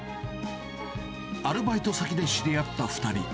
アルバイト先で知り合った２人。